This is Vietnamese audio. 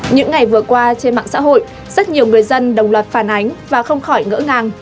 những ngày vừa qua trên mạng xã hội rất nhiều người dân đồng loạt phản ánh và không khỏi ngỡ ngàng